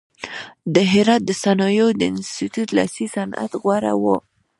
د هرات د صنایعو د انستیتیوت لاسي صنعت غوره و.